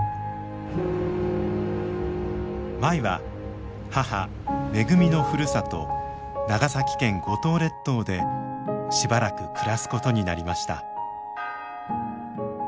舞は母めぐみのふるさと長崎県五島列島でしばらく暮らすことになりました。